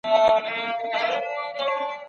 دولت د سیاست د تنظیم پوره توان لري.